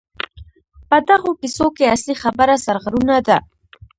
په دغو کیسو کې اصلي خبره سرغړونه ده.